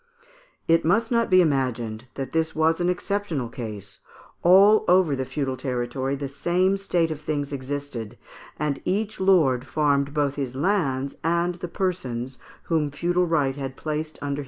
It must not be imagined that this was an exceptional case; all over the feudal territory the same state of things existed, and each lord farmed both his lands and the persons whom feudal right had placed under his dependence.